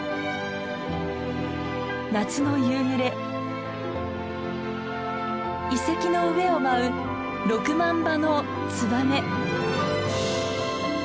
夏の夕暮れ遺跡の上を舞う６万羽のツバメ。